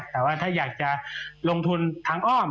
แต่ว่าถ้าอยากจะลงทุนทางอ้อม